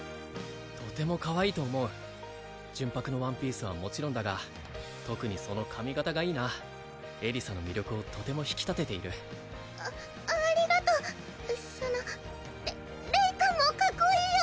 とてもかわいいと思う純白のワンピースはもちろんだが特にその髪形がいいなエリサの魅力をとても引き立てているあありがとうそのレレイ君もカッコいいよ